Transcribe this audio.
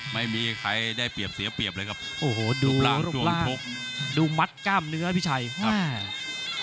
ไม่มีใครได้เปรียบเสียเปรียบเลยครับโอ้โหดูร่างดวงชกดูมัดกล้ามเนื้อพี่ชัยครับ